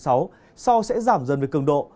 sau sẽ giảm dần về cường độ